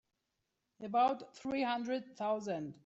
About three hundred thousand.